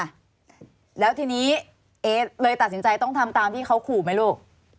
แล้วทีนี้เอ๊เลยตัดสินใจต้องทำตามที่เขาขู่ไหมลูก